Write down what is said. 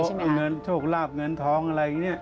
ขอเกี่ยวกับเรื่องของโชคลาภเงินทองอะไรอย่างงี้